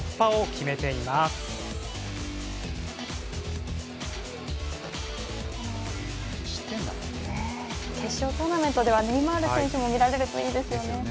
決勝トーナメントではネイマール選手も見られるといいですよね。